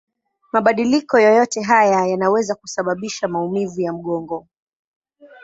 Mabadiliko yoyote haya yanaweza kusababisha maumivu ya mgongo.